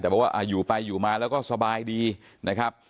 แต่บอกว่าอยู่ไปอยู่มาแล้วก็สบายดีนะครับ